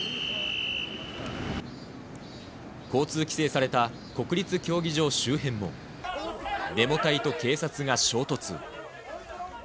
交通規制された国立競技場周辺も、デモ隊と警察が衝突。